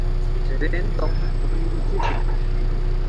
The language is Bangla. রেন তখন প্রধানমন্ত্রী ছিলেন।